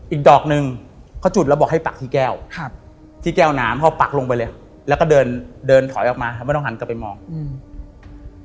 อีกดอกหนึ่งเขาจุดแล้วบอกให้ปักที่แก้วครับที่แก้วน้ำเขาปักลงไปเลยแล้วก็เดินเดินถอยออกมาครับไม่ต้องหันกลับไปมองอืม